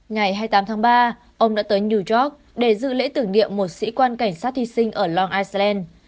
ngày hai mươi tám tháng ba ông đã tới new york để dự lễ tưởng niệm một sĩ quan cảnh sát thi sinh ở long island